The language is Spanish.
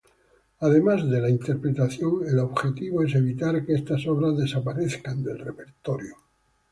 Además de la interpretación, el objetivo es evitar que estas obras desaparezcan del repertorio.